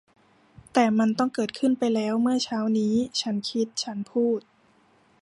แต่มันต้องเกิดขึ้นไปแล้วเมื่อเช้านี้ ฉันคิด ฉันพูด